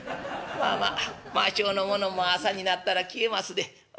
「まあまあ魔性のものも朝になったら消えますで。